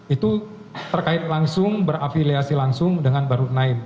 itu terkait langsung berafiliasi langsung dengan bahruk naim